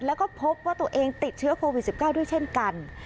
แล้วก็พบว่าตัวเองติดเชื้อโควิด๑๙ด้วยเช่นกัน